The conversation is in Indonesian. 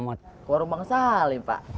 mau ke warung bang salim pak